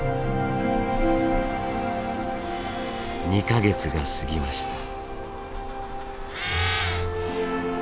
２か月が過ぎました。